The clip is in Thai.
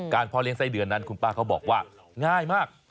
พ่อเลี้ยไส้เดือนนั้นคุณป้าเขาบอกว่าง่ายมาก